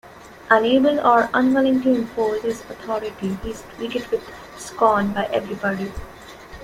Unable or unwilling to impose his authority, he is treated with scorn by everybody.